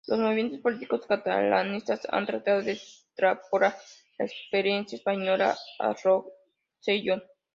Los movimientos políticos catalanistas han tratado de extrapolar la experiencia española a Rosellón.